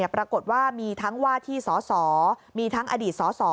ปรากฏว่ามีทั้งว่าที่สสมีทั้งอดีตสส